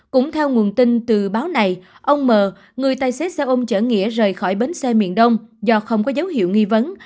cũng theo nguồn tin từ báo này ông m người tài xế xe ôm chở nghĩa rời khỏi bến xe miền đông do không có dấu hiệu nghi vấn